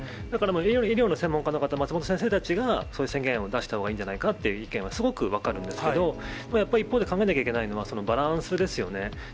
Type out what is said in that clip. だから医療の専門家の方、松本先生たちがそういう宣言を出したほうがいいんじゃないかという意見はすごくよく分かるんですけど、やっぱり一方で、考えなきゃいけないのは、バランスですよね。